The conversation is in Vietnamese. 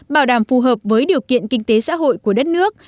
bảo đảm phù hợp với điều kiện kinh tế xã hội của đất nước